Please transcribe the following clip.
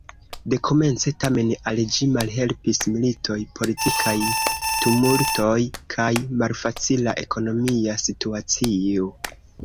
Dekomence, tamen, al ĝi malhelpis militoj, politikaj tumultoj kaj malfacila ekonomia situacio.